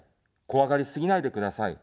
怖がりすぎないでください。